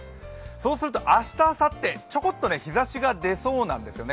そうすると明日、あさってちょこっと日ざしが出そうなんですよね。